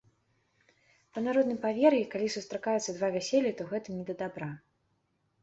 Па народным павер'і, калі сустракаюцца два вяселлі, то гэта не да дабра.